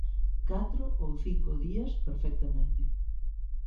Catro ou cinco días perfectamente.